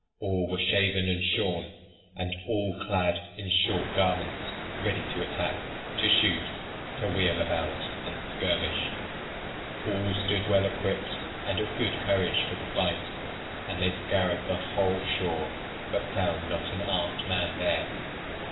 All were shaven and shorn; and all clad in short garments, ready to attack, to shoot, to wheel about and skirmish. All stood well equipped, and of good courage for the fight; and they scoured the whole shore, but found not an armed man there.